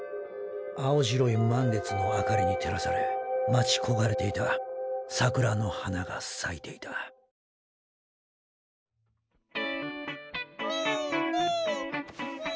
青白い満月の明かりに照らされ待ち焦がれていた桜の花が咲いていたニーニーニー。